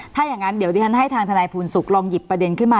ถ้าอย่างนั้นเดี๋ยวดิฉันให้ทางทนายภูลสุขลองหยิบประเด็นขึ้นมา